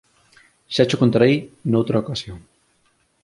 Xa cho contarei noutra ocasión.